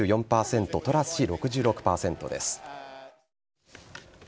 トラス氏、６６％です。